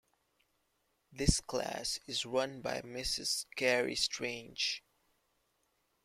This class is run by Mrs. Cari Strange.